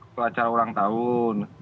pelacar ulang tahun